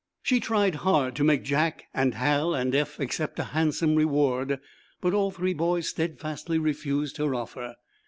She tried hard to make Jack and Hal and Eph accept a handsome reward, but all three boys steadfastly refused her offer.